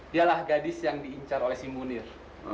dialah gadis yang diincar oleh si munir